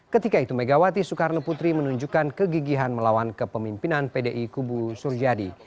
ketika itu megawati soekarno putri menunjukkan kegigihan melawan kepemimpinan pdi kubu suryadi